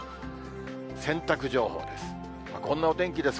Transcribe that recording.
洗濯情報です。